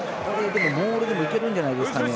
モールでもいけるんじゃないですかね。